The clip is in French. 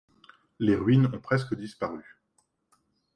Les ruines ont presque disparu.